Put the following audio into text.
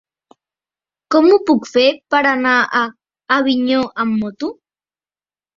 Com ho puc fer per anar a Avinyó amb moto?